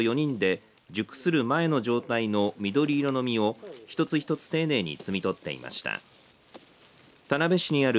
農園では家族など４人で熟する前の状態の緑色の実を一つ一つ丁寧に摘み取っていました。